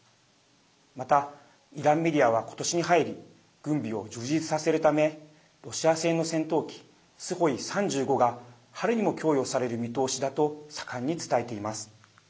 また、イランメディアは今年に入り軍備を充実させるためロシア製の戦闘機スホイ３５が春にも供与される見通しだと盛んに伝えています。